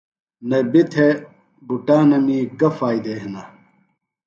نبی تھےۡ بُٹانَمی گہ فائدے ہِنہ ؟